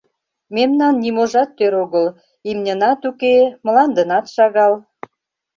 Мемнан ниможат тӧр огыл: имньынат уке, мландынат шагал.